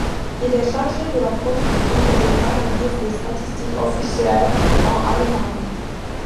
Il est chargé de la production et de l'analyse des statistiques officielles en Allemagne.